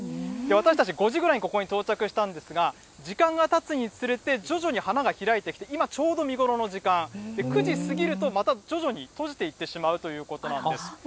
私たち、５時ぐらいにここに到着したんですが、時間がたつにつれて徐々に花が開いてきて、今、ちょうど見頃の時間、９時過ぎると、また徐々に閉じていってしまうということなんです。